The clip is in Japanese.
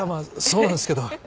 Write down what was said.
そうなんですけど。